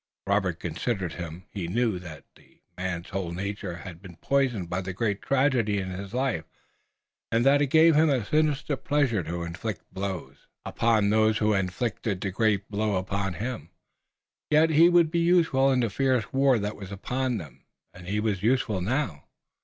Robert considered him. He knew that the man's whole nature had been poisoned by the great tragedy in his life, and that it gave him a sinister pleasure to inflict blows upon those who had inflicted the great blow upon him. Yet he would be useful in the fierce war that was upon them and he was useful now.